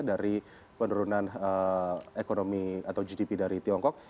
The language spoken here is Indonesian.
dari penurunan ekonomi atau gdp dari tiongkok